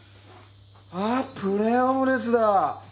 あっプレーンオムレツだ。